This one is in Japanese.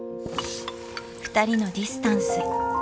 「ふたりのディスタンス」